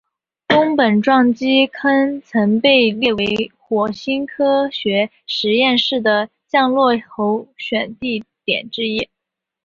宫本撞击坑曾被列为火星科学实验室的降落候选地点之一。